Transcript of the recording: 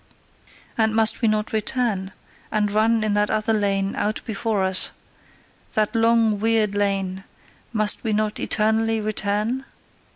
And must we not return and run in that other lane out before us, that long weird lane must we not eternally return?"